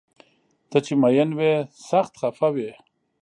ته چې مین وي سخت خفه وي